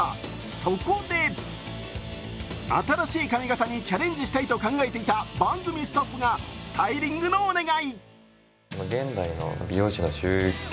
そこで新しい髪形にチャレンジしてみたいと思っていた番組のスタッフがスタイリングのお願い。